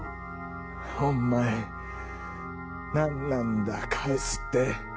お前何なんだ「返す」って。